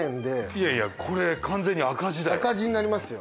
いやいやこれ完全に赤字だよ。